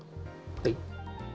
はい。